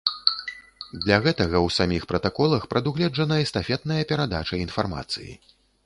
Для гэтага ў саміх пратаколах прадугледжана эстафетная перадача інфармацыі.